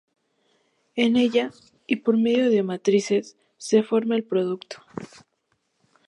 En ella, y por medio de matrices, se forma el producto.